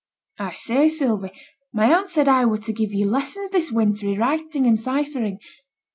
'I say, Sylvie! My aunt said I were to give you lessons this winter i' writing and ciphering.